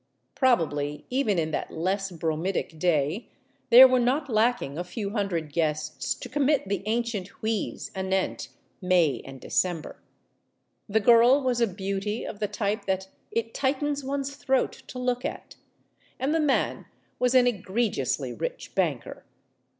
Probably, even in that less bromidic day, there were not lacking a few hundred guests to com mit the ancient wheeze anent May and December. The girl was a beauty of the type that it tightens one's throat to look at. And the man was an egregiously rich banker.